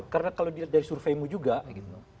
karena kalau dari surveimu juga gitu